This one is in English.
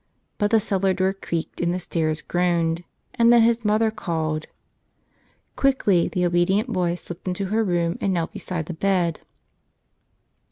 But the cellar door creaked and the stairs groaned, and then his mother called. Quickly the obedient boy slipped into her room and knelt beside the bed.